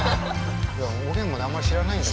おげんもねあんまり知らないんだけど。